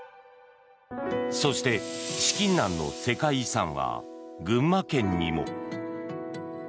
そして、資金難の世界遺産は群馬県にも。